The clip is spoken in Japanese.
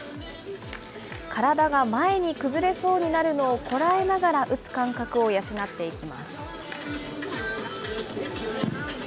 体が前に崩れそうになるのをこらえながら打つ感覚を養っていきます。